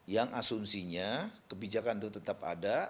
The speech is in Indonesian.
yang asumsinya kebijakan itu tetap ada